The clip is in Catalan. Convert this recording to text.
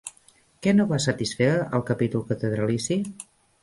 Què no va satisfer al capítol catedralici?